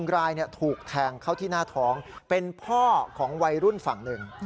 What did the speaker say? รายถูกแทงเข้าที่หน้าท้องเป็นพ่อของวัยรุ่นฝั่งหนึ่ง